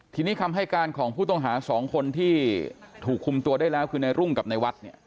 ทีนี้คำให้การของผู้ต้องหาสองคนที่ถูกคุมตัวได้แล้วคือในรุ่งกับในวัดเนี่ย